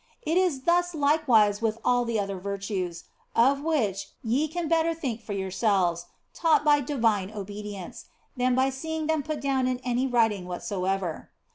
It is thus likewise with the other virtues, of the which ye can better think for yourselves, taught by divine obedience, than by seeing them put down in any writing whatsoever.